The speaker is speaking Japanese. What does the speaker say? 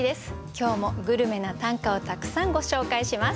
今日もグルメな短歌をたくさんご紹介します。